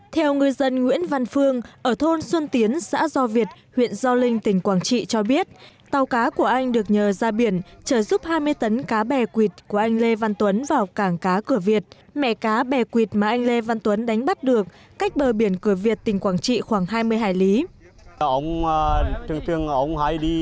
theo ngư dân nguyễn văn phương ở thôn xuân tiến xã gio việt huyện gio linh tỉnh quảng trị cho biết tàu cá của anh được nhờ ra biển trở giúp hai mươi tấn cá bẻ quỵt của anh lê văn tuấn vào cảng cá cửa việt mẻ cá bẻ quỵt mà anh lê văn tuấn đánh bắt được cách bờ biển cửa việt tỉnh quảng trị khoảng hai mươi hải lý